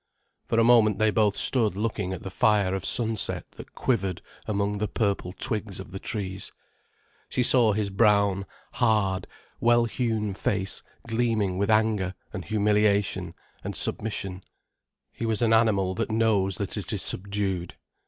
For a moment they both stood looking at the fire of sunset that quivered among the purple twigs of the trees. She saw his brown, hard, well hewn face gleaming with anger and humiliation and submission. He was an animal that knows that it is subdued.